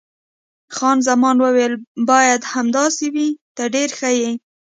خان زمان وویل: باید همداسې وي، ته ډېر ښه یې.